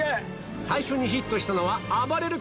最初にヒットしたのは「あばれる君」